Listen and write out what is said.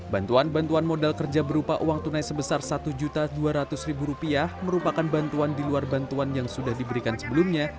bantuan bantuan modal kerja berupa uang tunai sebesar rp satu dua ratus merupakan bantuan di luar bantuan yang sudah diberikan sebelumnya